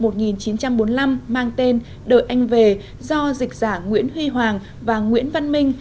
nước nga hành trình tới tương lai là một cuốn sách đề tên đời anh về do dịch giả nguyễn huy hoàng và nguyễn văn minh